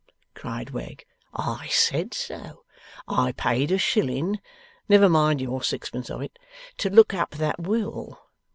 cried Wegg. 'I said so. I paid a shilling (never mind your sixpence of it) to look up that will.